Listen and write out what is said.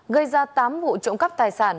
gây ra tám vụ trộm cắp tài sản